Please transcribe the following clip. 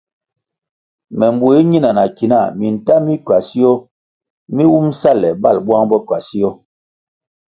Me mbue nina na ki na minta mi kwasio mi wumʼ sale balʼ buang bo kwasio.